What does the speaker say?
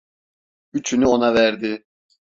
Üçünü ona verdi.